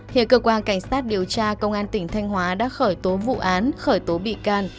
hiện cơ quan cảnh sát điều tra công an tỉnh thanh hóa đã khởi tố vụ án khởi tố bị can